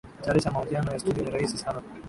kutayarisha mahojiano ya studio ni rahisi sana